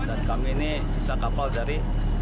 dan kami ini sisa kapal dari